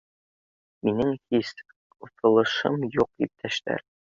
— Минең һис ҡыҫылышым юҡ, иптәштәр